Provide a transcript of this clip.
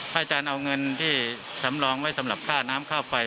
อาจารย์เอาเงินที่สำรองไว้สำหรับค่าน้ำค่าไฟ